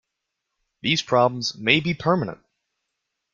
These problems may be permanent.